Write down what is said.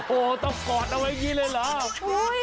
โหต้องกอดไว้ไกลเลยเหรอ